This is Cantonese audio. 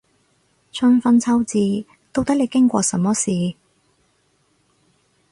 春分秋至，到底你經過什麼事